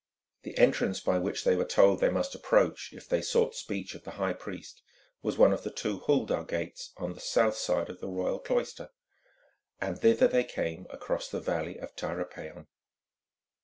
The entrance by which they were told they must approach if they sought speech of the high priest, was one of the two Huldah Gates on the south side of the Royal Cloister, and thither they came across the valley of Tyropæon.